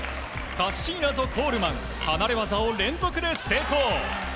カッシーナとコールマン離れ技を連続で成功。